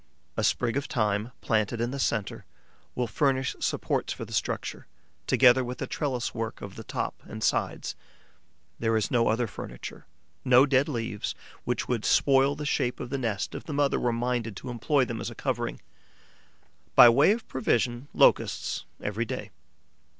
A sprig of thyme, planted in the centre, will furnish supports for the structure, together with the trellis work of the top and sides. There is no other furniture, no dead leaves, which would spoil the shape of the nest if the mother were minded to employ them as a covering. By way of provision, Locusts, every day.